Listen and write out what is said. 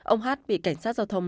ông h h bị cảnh sát giao thông